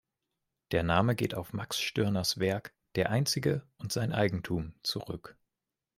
Der Name geht auf Max Stirners Werk "Der Einzige und sein Eigentum" zurück.